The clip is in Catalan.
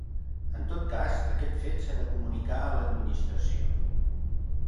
En tot cas, aquest fet s'ha de comunicar a l'Administració.